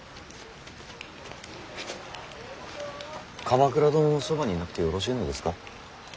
鎌倉殿のそばにいなくてよろしいのですか。